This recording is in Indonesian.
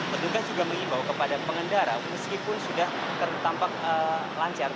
petugas juga mengingat kepada pengendara meskipun sudah tampak lancar